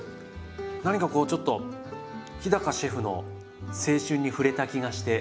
何かこうちょっと日シェフの青春に触れた気がしてうれしかったです。